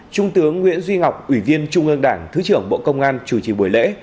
trung tướng nguyễn duy ngọc ủy viên trung ương đảng thứ trưởng bộ công an chủ trì buổi lễ